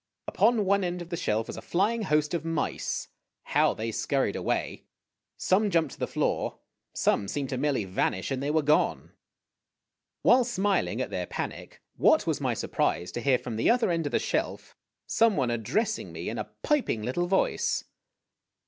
Upon one end of the shelf was a flying host of mice. How they scurried away! Some jumped to the floor; some seemed to merely vanish, and they were gone ! While smiling at their panic, what was my surprise to hear from the other end of the shelf some one addressing me in a piping, little voice.